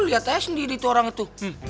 lo liat aja sendiri tuh orang itu